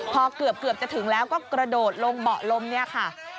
พอเกือบจะถึงแล้วก็กระโดดลงเบาะลมเนี่ยค่ะ